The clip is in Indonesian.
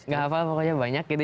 gak apa apa pokoknya banyak gitu